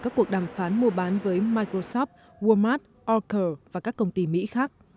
các cuộc đàm phán mua bán với microsoft walmart orku và các công ty mỹ khác